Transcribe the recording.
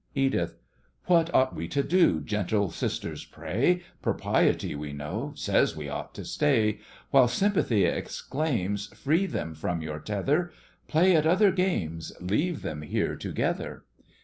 EDITH What ought we to do, Gentle sisters, say? Propriety, we know, Says we ought to stay; While sympathy exclaims, "Free them from your tether— Play at other games— Leave them here together."